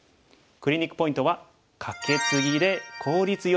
クリニックポイントは。